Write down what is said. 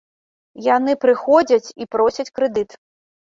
Яны прыходзяць і просяць крэдыт.